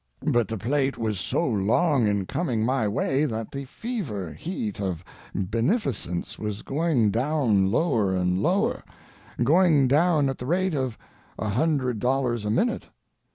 But the plate was so long in coming my way that the fever heat of beneficence was going down lower and lower—going down at the rate of a hundred dollars a minute.